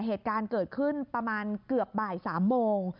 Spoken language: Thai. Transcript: เหตุการณ์เกิดขึ้นประมาณเกือบบ่าย๓โมง